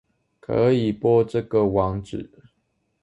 可以播這個網址